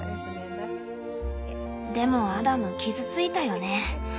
でもアダム傷ついたよね。